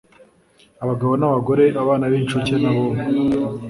abagabo n’abagore, abana b’incuke n’abonka